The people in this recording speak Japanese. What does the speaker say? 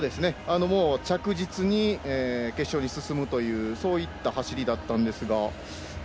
着実に決勝に進むというそういった走りだったんですが。